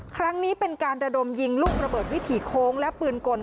ครั้งนี้เป็นการระดมยิงลูกระเบิดวิถีโค้งและปืนกล